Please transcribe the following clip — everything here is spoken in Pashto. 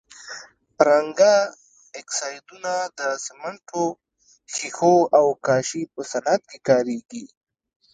رنګه اکسایدونه د سمنټو، ښيښو او کاشي په صنعت کې کاریږي.